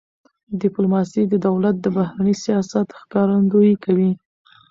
ډيپلوماسي د دولت د بهرني سیاست ښکارندویي کوي.